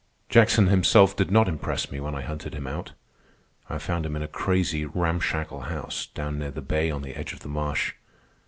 Jackson himself did not impress me when I hunted him out. I found him in a crazy, ramshackle house down near the bay on the edge of the marsh.